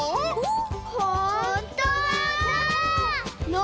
ほんとだ！